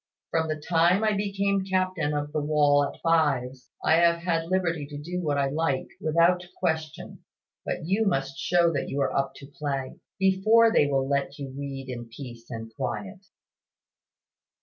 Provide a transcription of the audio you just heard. From the time I became captain of the wall at fives, I have had liberty to do what I like, without question. But you must show that you are up to play, before they will let you read in peace and quiet."